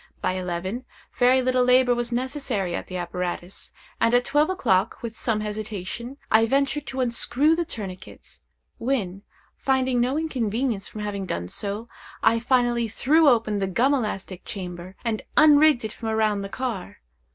By eleven, very little labor was necessary at the apparatus; and at twelve o'clock, with some hesitation, I ventured to unscrew the tourniquet, when, finding no inconvenience from having done so, I finally threw open the gum elastic chamber, and unrigged it from around the car.